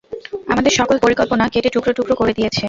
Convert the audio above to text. আমাদের সকল পরিকল্পনা কেটে টুকরো টুকরো করে দিয়েছে।